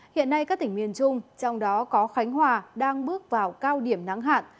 hiện nay các tỉnh miền trung trong đó có khánh hòa đang bước vào cao điểm nắng hạn